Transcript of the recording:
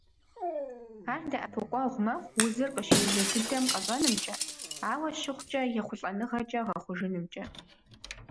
Ар дэӀэпыкъуэгъу мэхъу узыр къыщежьэ дыдэм къэщӀэнымкӀэ, ауэ щыхъукӀэ, ехъулӀэныгъэкӀэ гъэхъужынымкӀэ.